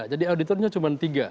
jadi auditornya cuma tiga